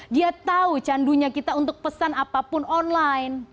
dia tahu candunya kita untuk pesan apapun online